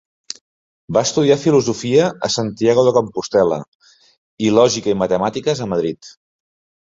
Va estudiar filosofia a Santiago de Compostel·la, i lògica i matemàtiques, a Madrid.